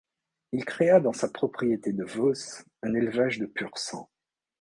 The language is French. Il créa dans sa propriété de Veauce un élevage de pur-sang.